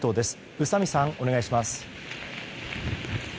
宇佐美さん、お願いします。